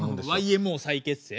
ＹＭＯ再結成？